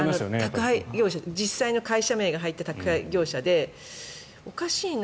実際の会社名が入った宅配業者でおかしいな？